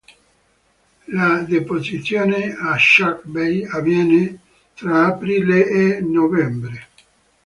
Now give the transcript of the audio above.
La deposizione a Shark Bay avviene tra aprile e novembre.